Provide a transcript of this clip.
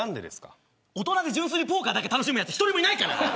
大人で純粋にポーカーだけ楽しむやつ１人もいないから。